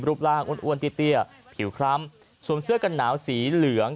ร่างอ้วนเตี้ยผิวคล้ำสวมเสื้อกันหนาวสีเหลือง